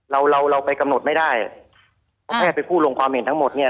เราเราไปกำหนดไม่ได้เพราะแพทย์เป็นผู้ลงความเห็นทั้งหมดเนี่ย